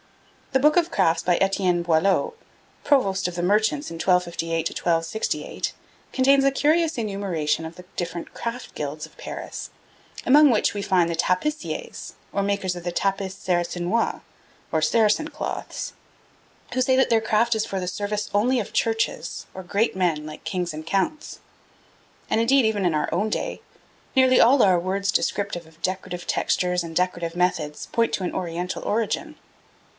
The book of crafts by Etienne Boileau, provost of the merchants in 1258 1268, contains a curious enumeration of the different craft guilds of Paris, among which we find 'the tapiciers, or makers of the tapis sarrasinois (or Saracen cloths), who say that their craft is for the service only of churches, or great men like kings and counts'; and, indeed, even in our own day, nearly all our words descriptive of decorative textures and decorative methods point to an Oriental origin.